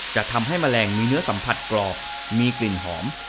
จะทำให้แมลงมีเนื้อสัมผัสกรอบมีกลิ่นหอม